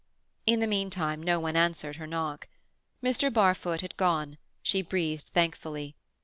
In the meantime no one answered her knock. Mr. Barfoot had gone; she breathed thankfully.